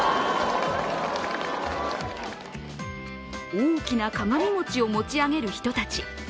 大きな鏡餅を持ち上げる人たち。